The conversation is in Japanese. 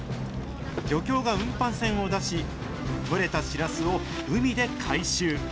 漁協が運搬船を出し、取れたシラスを海で回収。